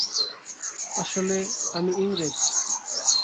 আসলে, আমি ইংরেজ।